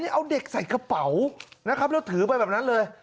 เอาเด็กใส่กระเป๋านะครับแล้วถือไปแบบนั้นเลย